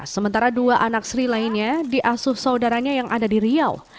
sementara dua anak sri lainnya diasuh saudaranya yang ada di riau